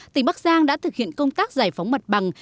tỉnh bắc giang đã thực hiện công tác giải phóng mặt bằng